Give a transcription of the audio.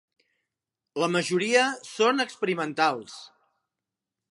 La majoria són experimentals.